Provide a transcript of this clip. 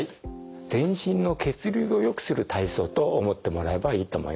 全身の血流をよくする体操と思ってもらえばいいと思います。